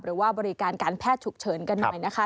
หรือว่าบริการการแพทย์ฉุกเฉินกันหน่อยนะคะ